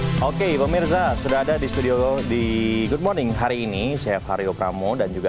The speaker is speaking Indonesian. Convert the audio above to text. hai oke pemirsa sudah ada di studio di good morning hari ini saya faryo pramo dan juga